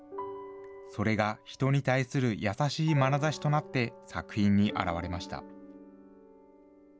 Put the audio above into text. それが人に対する優しいまなざしとなって、作品に表れました。